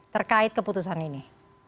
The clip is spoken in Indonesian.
terkait keputusan ini